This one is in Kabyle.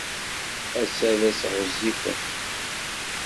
Ass-a d ass ɣezzifen.